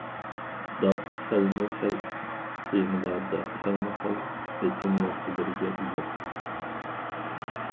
داپ خىلمۇ خىل تېمىلاردا خىلمۇ خىل رىتىم ۋاسىتىلىرىگە ئىگە.